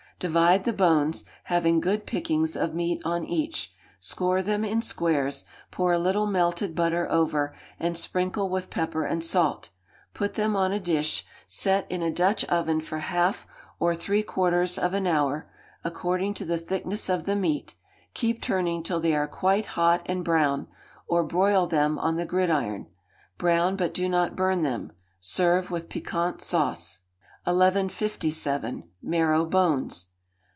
Divide the bones, having good pickings of meat on each; score them in squares, pour a little melted butter over, and sprinkle with pepper and salt; put them on a dish; set in a Dutch oven for half or three quarters of an hour, according to the thickness of the meat; keep turning till they are quite hot and brown: or broil them on the gridiron. Brown but do not burn them. Serve with piquant sauce. 1157. Marrow Bones.